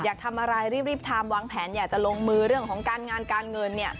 อยากทำอะไรรีบทำวางแผนอยากจะลงมือเรื่องของการงานการเงินเนี่ย